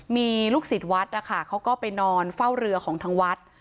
มีลูกศิษย์วัดนะคะเขาก็ไปนอนเฝ้าเรือของทางวัด